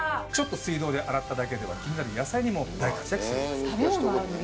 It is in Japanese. ちょっと水道で洗っただけでは気になる野菜にも大活躍するんです。